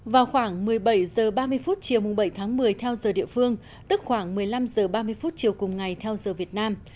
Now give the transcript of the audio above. vào khoảng một mươi bảy h ba mươi phút chiều bảy tháng một mươi theo giờ địa phương tức khoảng một mươi năm h ba mươi phút chiều cùng ngày theo giờ việt nam